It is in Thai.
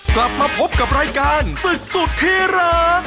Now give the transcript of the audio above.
กลับมาพบกับรายการศึกสุดที่รัก